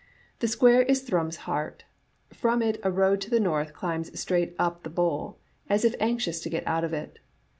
... The square is Thrums* heart. From it a road to the north climbs straight up the bowl, as if anxious to get out of it.